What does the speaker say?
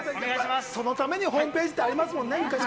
そのためにホームページってありますもんね。